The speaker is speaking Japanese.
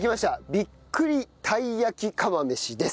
びっ栗たい焼き釜飯です。